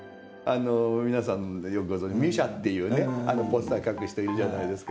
皆さんよくご存じミュシャっていうねあのポスター描く人いるじゃないですか。